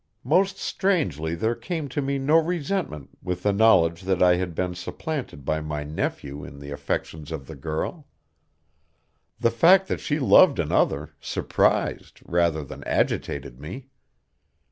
Most strangely there came to me no resentment with the knowledge that I had been supplanted by my nephew in the affections of the girl; the fact that she loved another surprised rather than agitated me.